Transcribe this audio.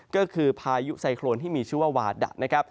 ก็คือพายุไซคลิคนที่มีชื่อว่าวาดะ